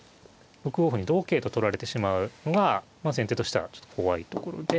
６五歩に同桂と取られてしまうのが先手としてはちょっと怖いところで。